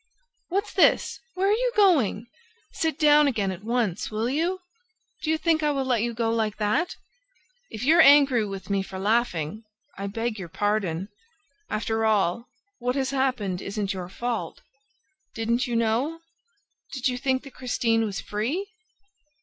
"What's this? Where are you going? Sit down again at once, will you? ... Do you think I will let you go like that? ... If you're angry with me for laughing, I beg your pardon... After all, what has happened isn't your fault... Didn't you know? ... Did you think that Christine was free?